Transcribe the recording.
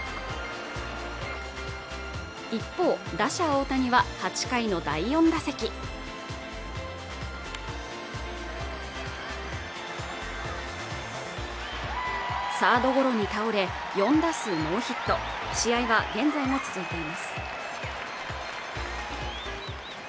一方打者・大谷は８回の第４打席サードゴロに倒れ４打数ノーヒット試合は現在も続いています